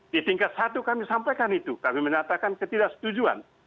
di tingkat satu kami sampaikan itu kami menyatakan ketidaksetujuan